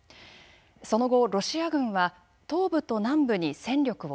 その後ロシア軍は東部と南部に戦力を集中。